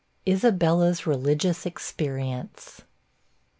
ISABELLA'S RELIGIOUS EXPERIENCE.